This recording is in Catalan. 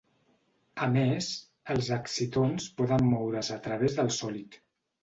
A més, els excitons poden moure's a través del sòlid.